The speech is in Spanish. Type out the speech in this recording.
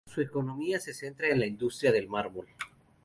Su economía se centra en la industria del mármol.